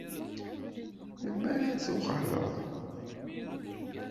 Melmi ara d-tuɣaleḍ?